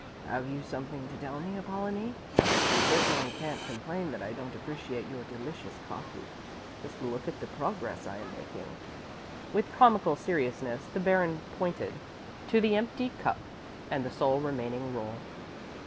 "Have you something to tell me Apollonie? You certainly can't complain that I don't appreciate your delicious coffee. Just look at the progress I am making." With comical seriousness the Baron pointed to the empty cup and the sole remaining roll.